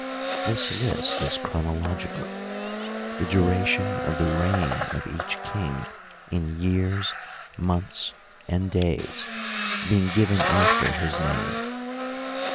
This list is chronological, the duration of the reign of each king in years, months, and days, being given after his name.